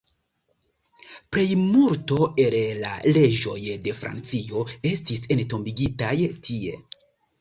Plejmulto el la reĝoj de Francio estis entombigitaj tie.